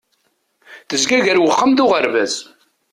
Tezga gar uxxam d uɣerbaz.